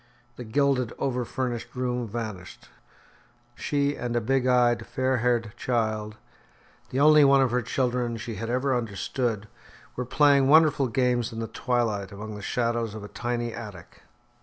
The gilded, over furnished room vanished. She and a big eyed, fair haired child, the only one of her children she had ever understood, were playing wonderful games in the twilight among the shadows of a tiny attic.